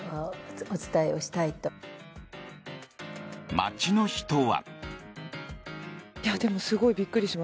街の人は。